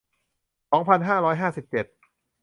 สองพันห้าร้อยห้าสิบเจ็ด